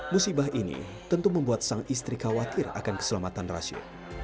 musibah ini tentu membuat sang istri khawatir akan keselamatan rasio